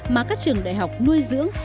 mà các trường đại học nuôi dưỡng